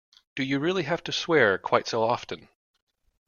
Do you really have to swear quite so often?